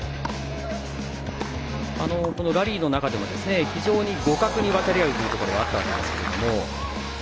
ラリーの中でも非常に互角に渡り合うという中ではあったんですが。